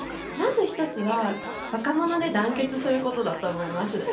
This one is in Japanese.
まず一つは若者で団結することだと思います。